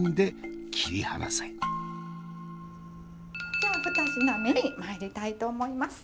じゃあ二品目にまいりたいと思います。